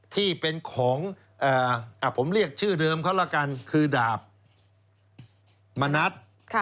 ที่เป็นของผมเรียกชื่อเดิมเขาละกันคือดาบมณัฐ